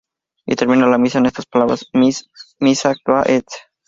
Y termina la Misa con estas palabras: "Missa acta est.